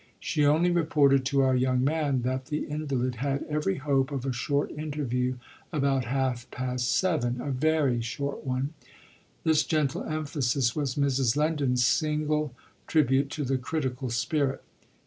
She only reported to our young man that the invalid had every hope of a short interview about half past seven, a very short one: this gentle emphasis was Mrs. Lendon's single tribute to the critical spirit.